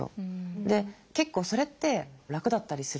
で結構それって楽だったりする。